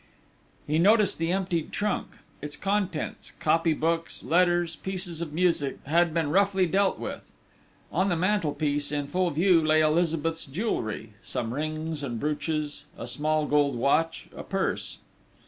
He noticed the emptied trunk: its contents copy books, letters, pieces of music had been roughly dealt with. On the mantelpiece, in full view, lay Elizabeth's jewellery some rings and brooches, a small gold watch, a purse.